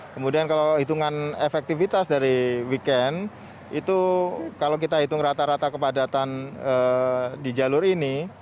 kemudian kalau hitungan efektivitas dari weekend itu kalau kita hitung rata rata kepadatan di jalur ini